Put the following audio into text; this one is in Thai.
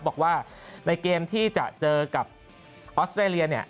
บอกว่าในเกมที่จะเจอกับออสเตรเลียเนี่ย